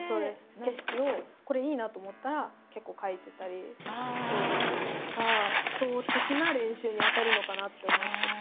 景色をこれいいなと思ったら結構書いてたりとか基礎的な練習にあたるのかなって思ってて。